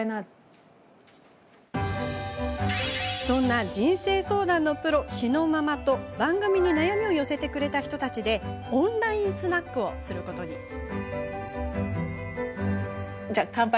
そんな人生相談のプロ紫乃ママと番組に悩みを寄せてくれた人たちでオンラインスナックをすることに。